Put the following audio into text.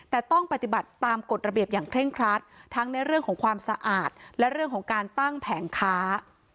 แต่ต้องปฏิบัติตามกฎระเบียบอย่างเคร่งครัดทั้งในเรื่องของความสะอาดและเรื่องของการตั้งแผงค้า